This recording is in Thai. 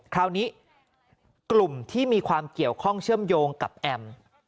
คราวนี้กลุ่มที่มีความเกี่ยวข้องเชื่อมโยงกับแอม